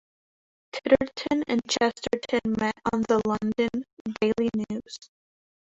Titterton and Chesterton met on the London "Daily News".